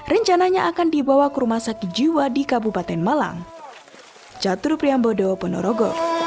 rencananya akan dibawa ke rumah sakit jiwa di kabupaten malang